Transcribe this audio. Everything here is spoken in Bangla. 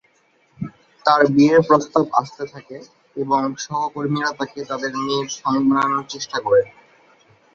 তার বিয়ের প্রস্তাব আসতে থাকে এবং সহকর্মীরা তাকে তাদের মেয়ের স্বামী বানানোর চেষ্টা করে।